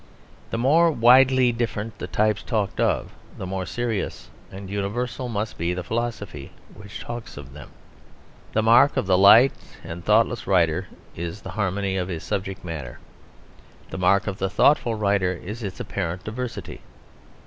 The more widely different the types talked of, the more serious and universal must be the philosophy which talks of them. The mark of the light and thoughtless writer is the harmony of his subject matter; the mark of the thoughtful writer is its apparent diversity.